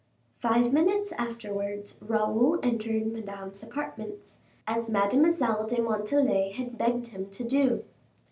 Five minutes afterwards Raoul entered Madame's apartments, as Mademoiselle de Montalais had begged him to do.